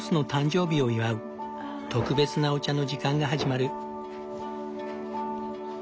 特別なお茶の時間が始まる。